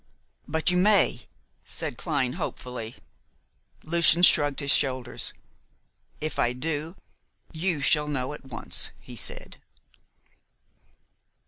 "But you may," said Clyne hopefully. Lucian shrugged his shoulders. "If I do, you shall know at once," he said.